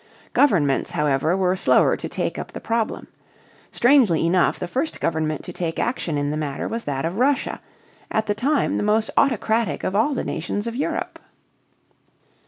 Governments, however, were slower to take up the problem. Strangely enough the first government to take action in the matter was that of Russia, at the time the most autocratic of all the nations of Europe.